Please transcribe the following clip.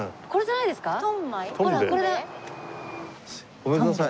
ごめんください。